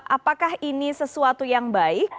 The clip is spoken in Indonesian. apakah ini sesuatu yang baik